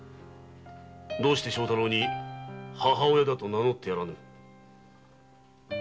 どうして「母親」だと名乗ってやらぬ？